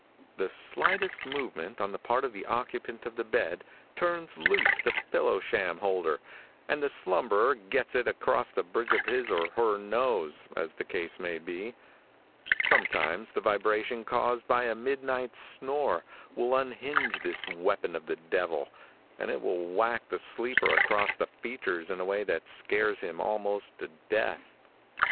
The slightest movement on the part of the occupant of the bed, turns loose the pillow sham holder, and the slumberer gets it across the bridge of his or her nose, as the case may be. Sometimes the vibration caused by a midnight snore, will unhinge this weapon of the devil, and it will whack the sleeper across the features in a way that scares him almost to death.